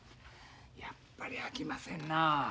やっぱりあきませんなあ。